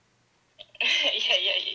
「いやいやいや」。